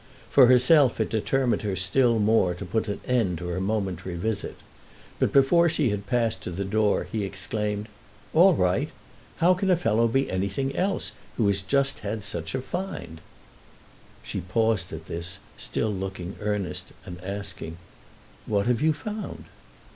For herself, it determined her still more to put an end to her momentary visit. But before she had passed to the door he exclaimed: "All right? How can a fellow be anything else who has just had such a find?" She paused at this, still looking earnest and asking: "What have you found?"